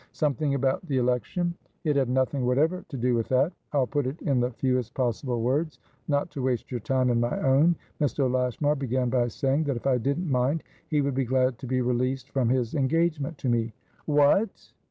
"Something about the election?" "It had nothing whatever to do with that. I'll put it in the fewest possible words, not to waste your time and my own. Mr. Lashmar began by saying that if I didn't mind, he would be glad to be released from his engagement to me." "What!"